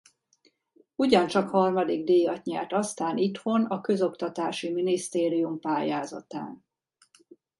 Ugyancsak harmadik díjat nyert aztán itthon a közoktatási minisztérium pályázatán.